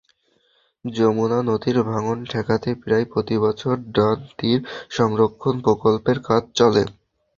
যমুনা নদীর ভাঙন ঠেকাতে প্রায় প্রতিবছর ডান তীর সংরক্ষণ প্রকল্পের কাজ চলে।